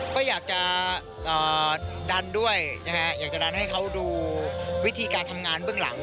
ก็อยากจะดันด้วยนะฮะอยากจะดันให้เขาดูวิธีการทำงานเบื้องหลัง